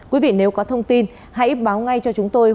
quý vị nếu có thông tin hãy báo ngay cho chúng tôi